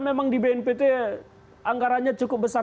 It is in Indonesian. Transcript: memang di bnpt anggarannya cukup besar